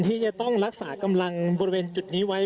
ที่จะต้องรักษากำลังบริเวณจุดนี้ไว้